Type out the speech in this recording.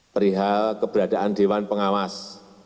perihal keberadaan dewan pengawas